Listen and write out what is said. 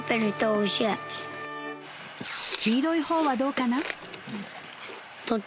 黄色いほうはどうかな？